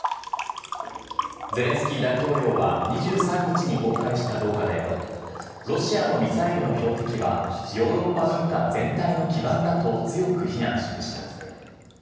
ゼレンスキー大統領は２３日に公開した動画で、ロシアのミサイルの標的は、ヨーロッパ文化全体の基盤だと強く非難しました。